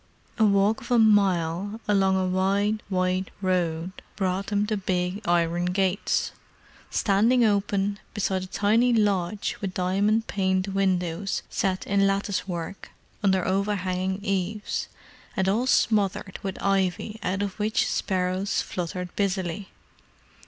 A walk of a mile along a wide white road brought them to big iron gates, standing open, beside a tiny lodge with diamond paned windows set in lattice work, under overhanging eaves; and all smothered with ivy out of which sparrows fluttered busily.